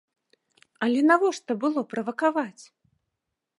Але навошта было правакаваць?